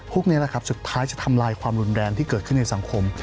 พวกนี้นะครับสุดท้ายจะทำลายความรุนแรงที่เกิดขึ้นในสังคม